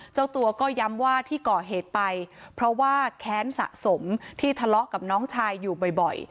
เจ้าตัวก็ย้ำว่าที่ก่อเหตุไปเพราะว่าแค้นสะสมที่ทะเลาะกับน้องชายอยู่บ่อย